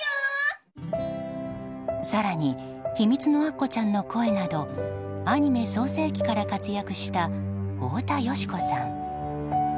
更に「ひみつのアッコちゃん」の声などアニメ創成期から活躍した太田淑子さん。